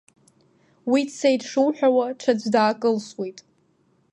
Уи дцеит шуҳәауа, ҽаӡә даакылсуеит…